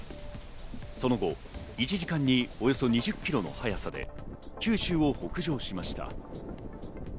その後、１時間におよそ２０キロの速さで九州を北上しました。